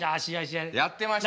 やってましたよ。